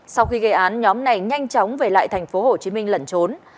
sau khi gây án nhóm này nhanh chóng về lại thành phố hồ chí minh lẩn trốn